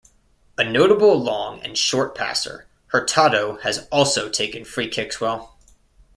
A notable long and short passer, Hurtado has also taken free kicks well.